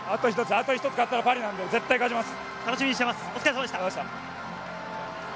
あと１つ勝ったらパリなんで、絶対頑張ります。